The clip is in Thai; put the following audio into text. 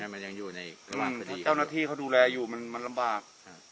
เพราะเจ้าหน้าที่เขาดูแลอยู่มันมันลำบาก